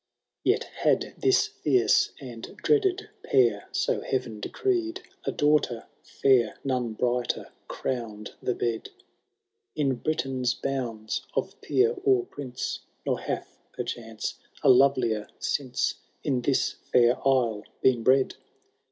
IV. Yet had this fierce and dreaded pair. So Heaven decreed, a daughter &ir ; None brighter crowned the bed. In Britain's bounds, of peer or prince, Nor hath, perchance, a lovelier since In this fair isle been bred.